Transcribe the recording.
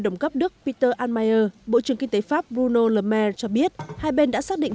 đồng cấp đức peter allmeyer bộ trưởng kinh tế pháp bruno le maire cho biết hai bên đã xác định